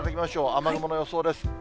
雨雲の予想です。